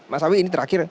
mas awie ini terakhir